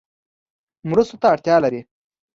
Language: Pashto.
مرستو ته اړتیا لري